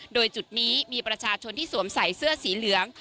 โดยจุดนี้มีประชาชนที่สวมใส่เสื้อสีเหลือง